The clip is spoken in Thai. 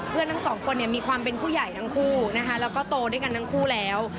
ทั้งสองคนเนี่ยมีความเป็นผู้ใหญ่ทั้งคู่นะคะแล้วก็โตด้วยกันทั้งคู่แล้ว